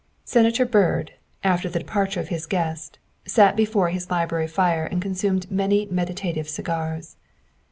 Senator Byrd, after the departure of his guest, sat before his library fire and consumed many meditative cigars.